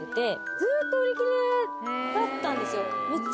ずーっと売り切れだったんですよ。